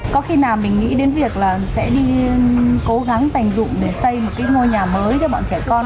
có khi nào mình nghĩ đến việc là sẽ đi cố gắng thành dụng để xây một cái ngôi nhà mới cho bọn trẻ con đó không ạ